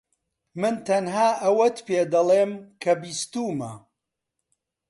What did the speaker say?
من تەنها ئەوەت پێدەڵێم کە بیستوومە.